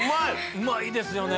うまいですよね。